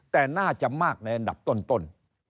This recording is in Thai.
แต่น่าจะมากในอันดับต้น